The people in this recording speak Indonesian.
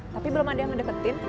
tapi belum ada yang ngedeketin